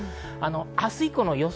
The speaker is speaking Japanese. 明日以降の予想